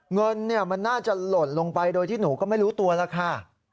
เงินมันน่าจะหล่นลงไปโดยที่หนูก็ไม่รู้ตัวแล้วค่ะ